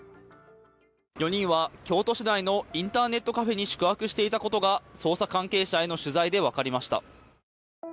４人は京都市内のインターネットカフェに宿泊していたことが捜査関係者への取材で分かりました。